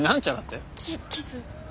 キキス。